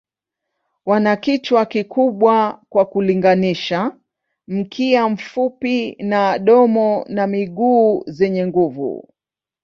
Wana kichwa kikubwa kwa kulinganisha, mkia mfupi na domo na miguu zenye nguvu.